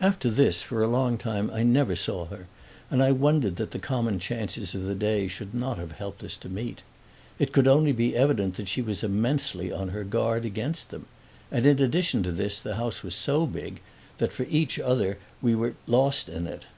After this, for a long time, I never saw her, and I wondered that the common chances of the day should not have helped us to meet. It could only be evident that she was immensely on her guard against them; and in addition to this the house was so big that for each other we were lost in it.